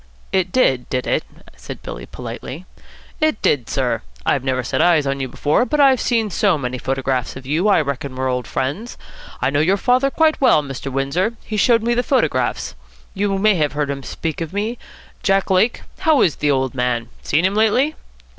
"It did, did it?" said Billy politely. "It did, sir. I've never set eyes on you before, but I've seen so many photographs of you that I reckon we're old friends. I know your father very well, Mr. Windsor. He showed me the photographs. You may have heard him speak of me Jack Lake? How is the old man? Seen him lately?"